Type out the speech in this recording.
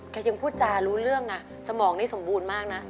ยังพูดจารู้เรื่องนะสมองนี้สมบูรณ์มากนะ